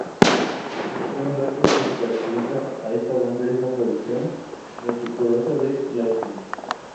Otro gran rasgo que caracteriza a esta banda es la producción meticulosa de Lytle.